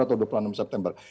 atau dua puluh enam september